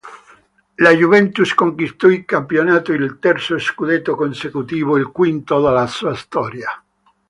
La Juventus conquistò in campionato il terzo scudetto consecutivo, il quinto della sua storia.